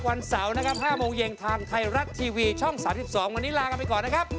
วันเสาร์นะครับ๕โมงเย็นทางไทยรัฐทีวีช่อง๓๒วันนี้ลากันไปก่อนนะครับ